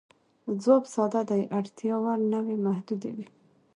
ځواب ساده دی، اړتیا وړ نوعې محدودې وې.